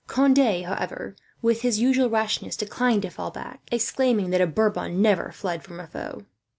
Conde, however, with his usual rashness, declined to fall back; exclaiming that a Bourbon never fled from a foe.